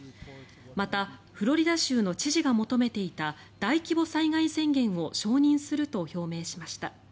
またフロリダ州の知事が求めていた大規模災害宣言を承認すると表明しました。